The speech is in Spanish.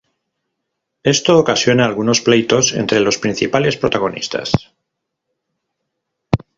Esto ocasiona algunos pleitos entre los principales protagonistas.